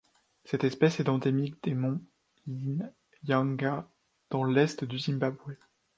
Cette espèce est endémique des monts Inyanga dans l'est du Zimbabwe.